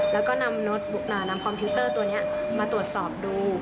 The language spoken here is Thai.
แล้วก็นำคอมพิวเตอร์ตัวนี้มาตรวจสอบดู